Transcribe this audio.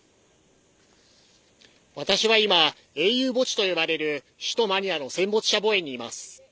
私は今、英雄墓地と呼ばれる首都マニラの戦没者墓園にいます。